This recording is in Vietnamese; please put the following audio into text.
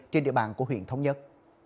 trên địa bàn của huyện thống nhất